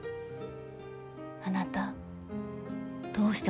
あなたどうして踊るの？